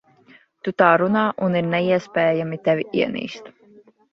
Tu tā runā, un ir neiespējami tevi ienīst.